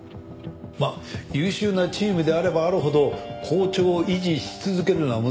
まあ優秀なチームであればあるほど好調を維持し続けるのは難しい。